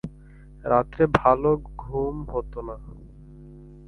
রাত্রে ভালো ঘুম হত না।